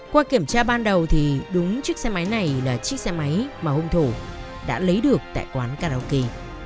qua kiểm tra ban đầu thì đúng chiếc xe máy này là chiếc xe máy mà hung thủ đã lấy được tại quán karaoke